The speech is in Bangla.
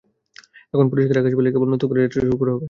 এখন পরিষ্কার আকাশ পেলেই কেবল নতুন করে যাত্রা শুরু করা হবে।